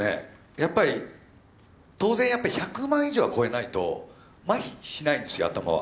やっぱり当然やっぱり１００万以上は超えないと麻痺しないんですよ頭は。